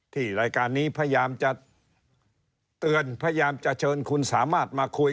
รายการนี้พยายามจะเตือนพยายามจะเชิญคุณสามารถมาคุย